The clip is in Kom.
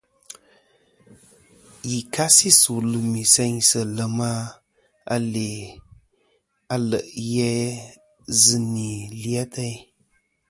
Yì kasi su lùmì seynsɨ lèm a le' ghè a zɨ nì li atayn.